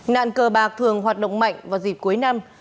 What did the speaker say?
nạn cờ bạc thường hoạt động mạnh vào dịp cuối năm